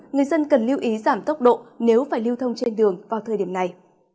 người dân cần lưu ý giảm tốc độ nếu phải lưu thông trên đường vào thời điểm này